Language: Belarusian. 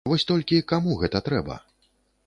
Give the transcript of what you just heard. Вось толькі каму гэта трэба?